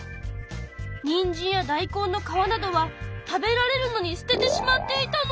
にんじんや大根の皮などは食べられるのに捨ててしまっていたの！